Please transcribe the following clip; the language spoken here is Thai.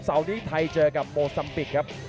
เสาร์นี้ไทยเจอกับโบซัมปิกครับ